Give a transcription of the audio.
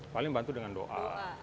paling bantu dengan doa